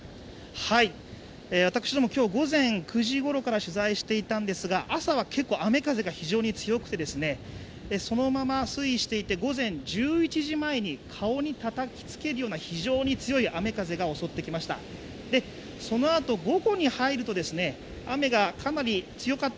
私ども、今日午前９時ごろから取材していたんですが朝は結構、雨・風が強くて、そのまま推移していって、午前１１時前に顔にたたきつけるような非常に強い雨風が襲ってきました。